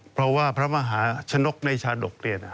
เพราะว่าพระมหาชนกในชาติดอกเรียน